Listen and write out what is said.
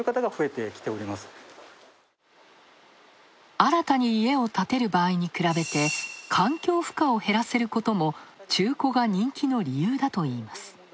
新たに家を建てる場合に比べて環境負荷を減らせることも中古が人気の理由だといいます。